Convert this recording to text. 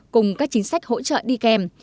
cùng các chính sách hỗ trợ đi kèm